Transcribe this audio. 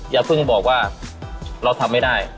อย่าเพิ่งบอกว่าเราทำไม่ได้